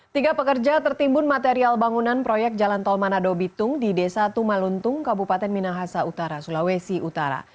tiga pekerja tertimbun material bangunan proyek jalan tol manado bitung di desa tumaluntung kabupaten minahasa utara sulawesi utara